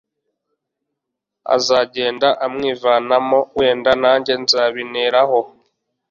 azagenda amwivanamo wenda najye nzabineraho